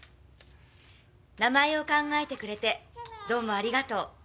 「名前を考えてくれてどうもありがとう」